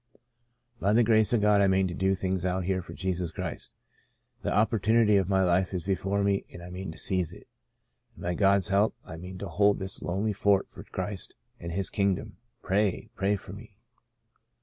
By the grace of God I mean to do things out here for Jesus Christ. The opportunity of my life is before me and I mean to seize it, and by God's help I mean 1 1 8 The Portion of Manasseh to hold this lonely fort for Christ and His kingdom. Pray — pray for me."